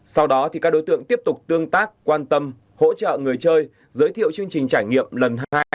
sau đó các đối tượng tiếp tục tương tác quan tâm hỗ trợ người chơi giới thiệu chương trình trải nghiệm lần hai